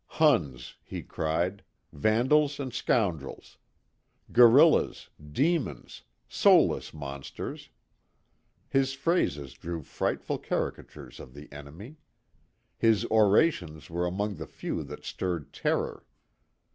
Huns, he cried, vandals and scoundrels. Gorillas, demons, soulless monsters. His phrases drew frightful caricatures of the enemy. His orations were among the few that stirred terror.